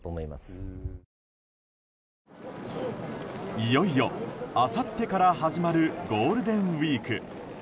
いよいよ、あさってから始まるゴールデンウィーク。